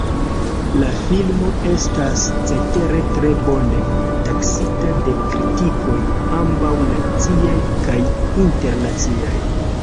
La filmo estas cetere tre bone taksita de kritikoj ambaŭ naciaj kaj internaciaj.